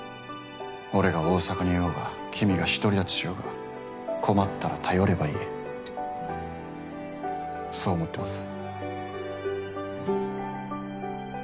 俺が大阪にいようが君が独り立ちしようが困ったら頼ればいいそう思ってます。